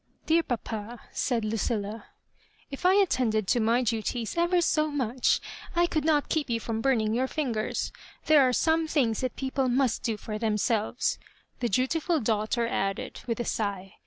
sl) '^Dear papa," said Lucilla, *' if I attended to my duties ever so much I could not keep you from burning your fingera There are some things that people must do for themselyes,'' the dutiful daughter added, with a sigh.